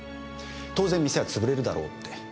当然店は潰れるだろうって。